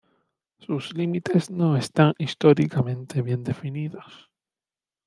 Sus límites no están históricamente bien definidos.